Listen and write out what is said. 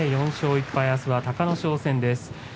４勝１敗であすは隆の勝戦です。